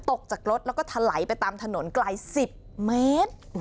ตกจากรถแล้วก็ถลายไปตามถนนไกล๑๐เมตร